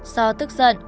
do tức giận